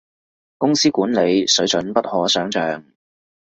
公司管理，水準不可想像